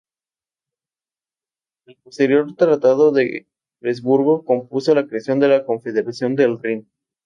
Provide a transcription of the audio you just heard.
El posterior Tratado de Presburgo supuso la creación de la Confederación del Rin.